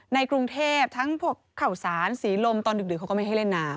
ในกรุงเทพทั้งพวกข่าวสารสีลมตอนดึกเขาก็ไม่ให้เล่นน้ำ